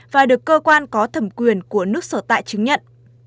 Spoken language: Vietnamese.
và được cơ quan có thẩm quyền của nước sở tại chứng nhận